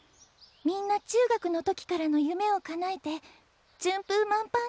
みんな中学の時からの夢をかなえて順風満帆って感じで。